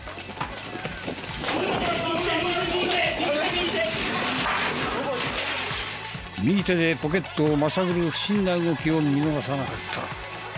右手でポケットをまさぐる不審な動きを見逃さなかった。